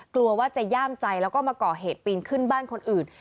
กลัวว่าจะย่ามใจแล้วก็มาก่อเหตุปีนขึ้นบ้านคนอื่น